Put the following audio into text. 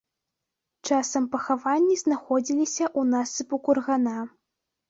Часам пахаванні знаходзіліся ў насыпу кургана.